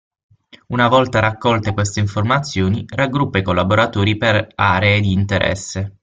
Una volta raccolte queste informazioni, raggruppa i collaboratori per aree di interesse.